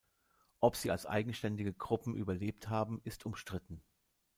Ob sie als eigenständige Gruppen überlebt haben, ist umstritten.